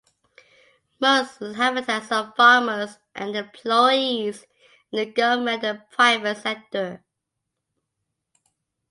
Most inhabitants are farmers and employees in government and private sector.